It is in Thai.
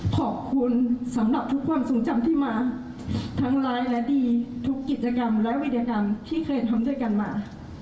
ขอบคุณสำหรับทุกความทรงจำที่มาทั้งร้ายและดีทุกกิจกรรมและวิทยากรรมที่เคยทำด้วยกันมา